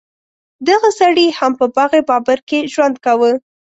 دغه سړي هم په باغ بابر کې ژوند کاوه.